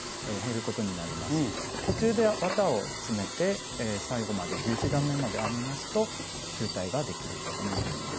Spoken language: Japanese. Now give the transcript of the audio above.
途中で綿を詰めて最後まで１１段めまで編みますと球体ができることになります。